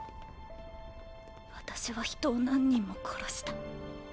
私は人を何人も殺した。